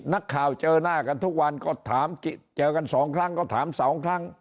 นักข่าวเจอหน้ากันทุกวันก็ถามเจอกันสองครั้งก็ถามสองครั้ง